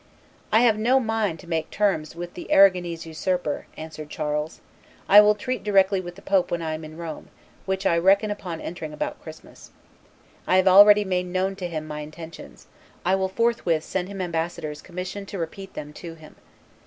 "I have no mind to make terms with the Arragonese usurper," answered Charles: "I will treat directly with the pope when I am in Rome, which I reckon upon entering about Christmas. I have already made known to him my intentions; I will forthwith send him ambassadors commissioned to repeat them to him."